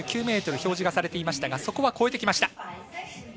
表示がされていましたがそこは越えてきました。